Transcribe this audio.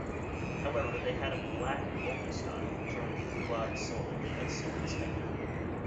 However they had a black vocal style, termed blue-eyed soul, that suited Spector.